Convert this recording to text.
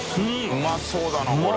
うまそうだなこれ。